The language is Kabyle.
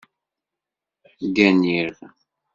Gganiɣ